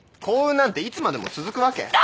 幸運なんていつまでも続くわけ。